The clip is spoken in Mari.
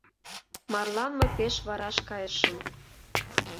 Марлан мый пеш вараш кайышым.